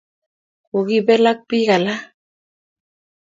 kokibel ak bik alak